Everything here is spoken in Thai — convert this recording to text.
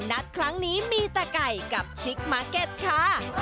นัดครั้งนี้มีแต่ไก่กับชิคมาร์เก็ตค่ะ